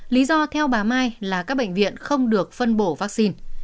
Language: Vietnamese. lý do theo bà mai là các bệnh viện không được phân bổ vaccine